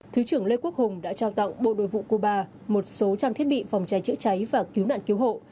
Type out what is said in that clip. thứ trưởng lê quốc hùng đã trao tặng bộ đội vụ cuba một số trang thiết bị phòng cháy chữa cháy và cứu nạn cứu hộ